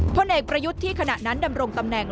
พลเอกประยุทธ์ที่ขณะนั้นดำรงตำแหน่ง